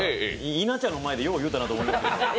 稲ちゃんの前でよう言うたなと思いましたよ。